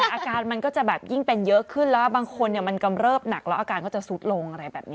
อาการมันก็จะยิ่งเป็นเยอะขึ้นแล้วบางคนนี้กำเลิฟหนักแล้วอาการก็จะสูดลง